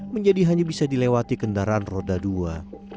menjadi hanya bisa dilewati kendaraan roda dua